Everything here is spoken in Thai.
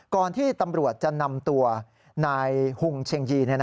ก่อนที่ตำรวจจะนำตัวนายหุงเชงยี